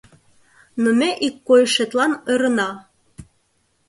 Но ме ик койышетлан ӧрына.